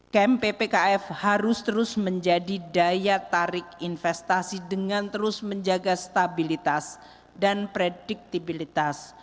kempkf harus terus menjadi daya tarik investasi dengan terus menjaga stabilitas dan prediktibilitas